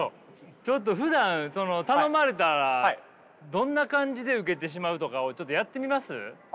ちょっとふだんその頼まれたらどんな感じで受けてしまうとかをちょっとやってみます？